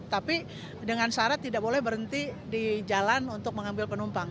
tapi dengan syarat tidak boleh berhenti di jalan untuk mengambil penumpang